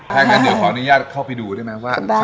ถ้าอยากจะขออนุญาตเข้าไปดูได้ไหมว่าได้